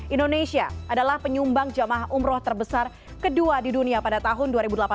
indonesia adalah penyumbang jemaah umroh terbesar kedua di dunia pada tahun dua ribu delapan belas dua ribu sembilan belas